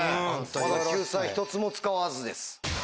まだ救済１つも使わずです。